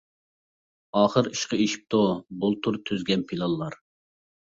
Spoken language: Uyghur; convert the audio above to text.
ئاخىر ئىشقا ئېشىپتۇ، بۇلتۇر تۈزگەن پىلانلار.